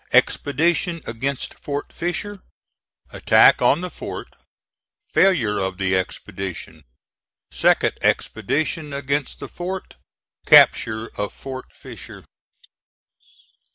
EXPEDITION AGAINST FORT FISHER ATTACK ON THE FORT FAILURE OF THE EXPEDITION SECOND EXPEDITION AGAINST THE FORT CAPTURE OF FORT FISHER.